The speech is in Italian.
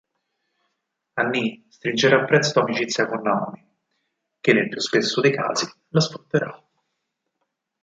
Annie stringerà presto amicizia con Naomi, che nel più spesso dei casi la sfrutterà.